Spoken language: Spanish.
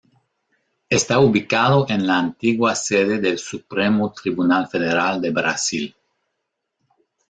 Está ubicado en la antigua sede del Supremo Tribunal Federal de Brasil.